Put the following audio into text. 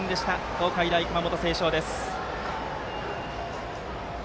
東海大熊本星翔です。